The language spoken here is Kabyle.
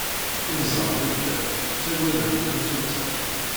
Imẓerbeḍḍa ttaggaden tamsulta.